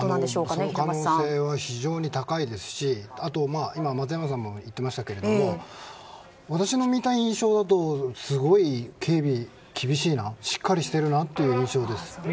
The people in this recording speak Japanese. その可能性は非常に高いですしあと、松山さんも言っていましたが私が見た印象だとすごく警備が厳しいなしっかりしてるなという印象です。